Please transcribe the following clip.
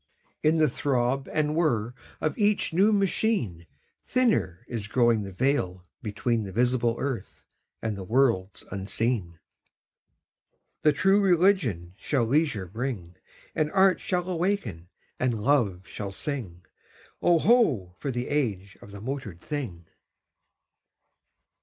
In the throb and whir of each new machine Thinner is growing the veil between The visible earth and the worlds unseen. The True Religion shall leisure bring; And Art shall awaken and Love shall sing: Oh, ho! for the age of the motored thing!